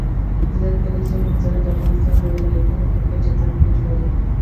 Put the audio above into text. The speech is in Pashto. د کلیزو منظره د افغانستان د ولایاتو په کچه توپیر لري.